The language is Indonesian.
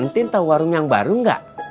ten tahu warung yang baru enggak